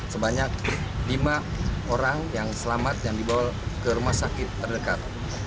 sebanyak lima orang yang selamat yang dibawa ke rumah sakit terdekat